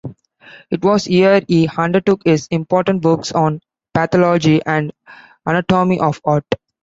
It was here he undertook his important works on pathology and anatomy of heart.